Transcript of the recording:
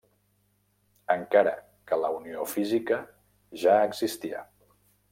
Encara que la unió física ja existia.